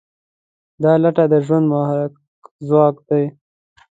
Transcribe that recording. دا لټه د ژوند محرک ځواک دی.